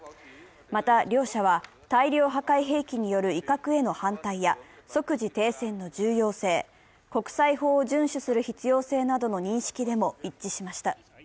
また両者は、大量破壊兵器による威嚇への反対や即時停戦の重要性、国際法を順守する必要性などの認識でも一致しました。